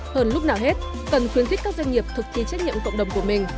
hơn lúc nào hết cần khuyến khích các doanh nghiệp thực thi trách nhiệm cộng đồng của mình